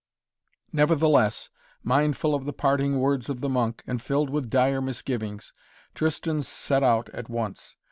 Nevertheless, mindful of the parting words of the monk, and filled with dire misgivings, Tristan set out at once.